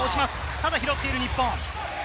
ただ、拾っている日本。